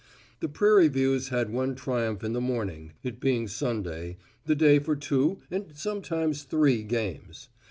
The Prairie Views had one triumph in the morning, it being Sunday, the day for two and sometimes three games.